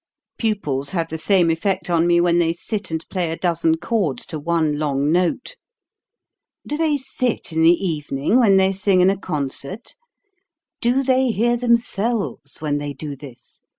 Pupils have the same effect on me when they sit and play a dozen chords to one long note. Do they sit in the evening when they sing in a concert? Do they hear themselves, when they do this